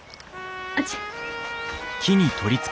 あっち。